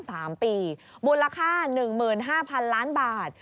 ทำ๓ปีมูลค่า๑๕๐๐๐ล้านบาท